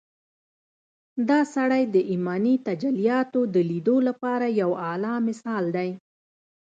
دا سړی د ايماني تجلياتود ليدو لپاره يو اعلی مثال دی.